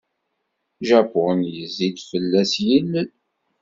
Japun yezzi-d fell-as yilel.